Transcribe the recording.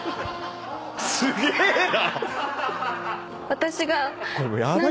すげえな！